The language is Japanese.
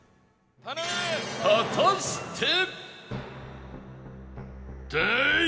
果たして